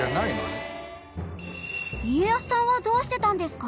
家康さんはどうしてたんですか？